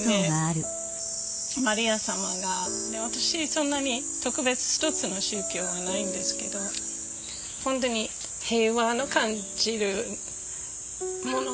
マリア様が私そんなに特別一つの宗教はないんですけど本当に平和の感じるものがあるんですよね。